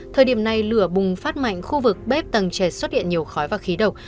thời điểm này lửa bùng phát mạnh khu vực bếp tầng trẻ xuất hiện nhiều khói và khí độc